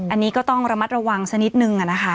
อันนี้ก็ต้องระมัดระวังสักนิดนึงนะคะ